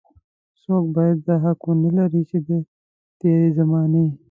څوک بايد دا حق ونه لري چې د تېرې زمانې.